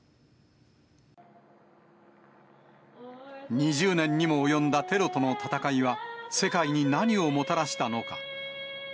２０年にも及んだテロとの戦いは、世界に何をもたらしたのか。